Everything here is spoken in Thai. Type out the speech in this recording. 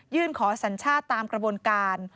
ขอสัญชาติตามกระบวนการ